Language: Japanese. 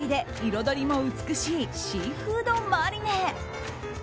ヘルシーで彩りも美しいシーフードマリネ。